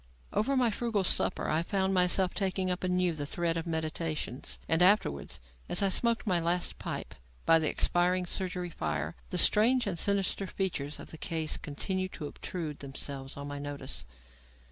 Over my frugal supper I found myself taking up anew the thread of my meditations, and afterwards, as I smoked my last pipe by the expiring surgery fire, the strange and sinister features of the case continued to obtrude themselves on my notice.